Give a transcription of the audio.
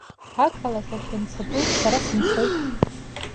Ақалақь ахь ианцатәу, сара сымцои.